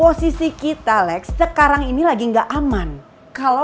oder baru terus datang dari awal pribadi biar salah odon nih apa